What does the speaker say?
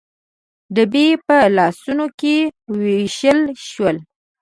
ډبي په لاسونو کې ووېشل شول.